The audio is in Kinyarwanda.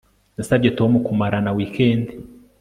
Nasabye Tom kumarana weekend